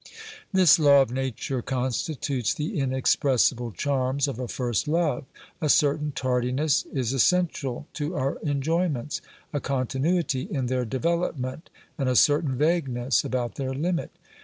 This law of Nature consti tutes the inexpressible charms of a first love, A certain tardiness is essential to our enjoyments, a continuity in their development and a certain vagueness about their limit.